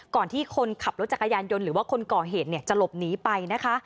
ก่อนที่คนขับรถจักรยานยนต์หรือว่าคนก่อเหตุจะหลบหนีไปนะคะ